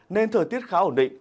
nên thời tiết khá ổn định